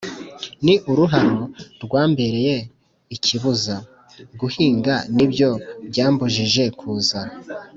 ni uruharo rwambereye ikibuza: guhinga ni byo byambujije kuza